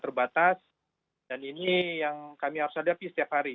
terbatas dan ini yang kami harus hadapi setiap hari